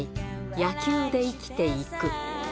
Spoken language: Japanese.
野球で生きていく。